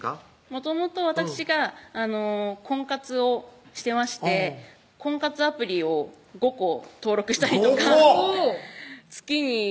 もともとわたくしが婚活をしてまして婚活アプリを５個登録したりとか５個！